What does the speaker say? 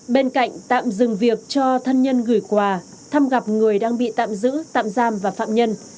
bên cạnh tạm dừng việc cho thân nhân gửi quà thăm gặp người đang bị tạm giữ tạm giam và phạm nhân